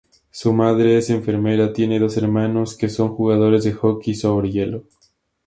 Su madre es enfermera, tiene dos hermanos que son jugadores de hockey sobre hielo.